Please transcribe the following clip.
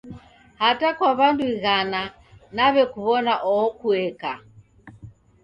Hata kwa w'andu ighana naw'ekuw'ona oho kueka.